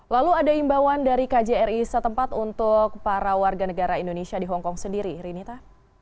lalu ada imbauan dari kjri setempat untuk para warga negara indonesia di hongkong sendiri rinita